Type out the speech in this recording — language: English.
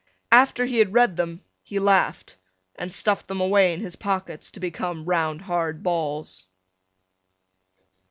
After he had read them he laughed and stuffed them away in his pockets to become round hard balls.